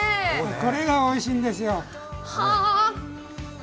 これがおいしいんですよ。